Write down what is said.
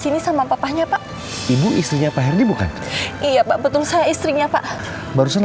sini sama papanya pak ibu istrinya pak herdy bukan iya pak betul saya istrinya pak barusan